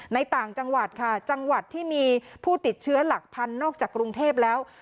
ต่างจังหวัดค่ะจังหวัดที่มีผู้ติดเชื้อหลักพันนอกจากกรุงเทพแล้ว